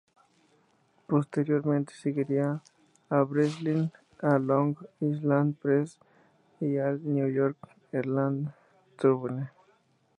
Posteriormente seguiría a Breslin al "Long Island Press" y al "New York Herald Tribune".